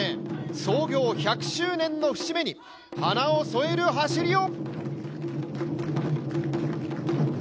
創業１００周年の節目に花を添える走りを。